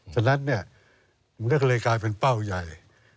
ฉะนั้นเนี่ยมันก็เลยกลายเป็นเป้าใหญ่